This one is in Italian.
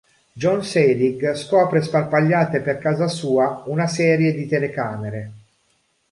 John Selig scopre sparpagliate per casa sua una serie di telecamere.